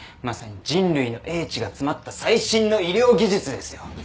まさに人類の英知が詰まった最新の医療技術ですよ。